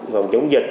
phòng chống dịch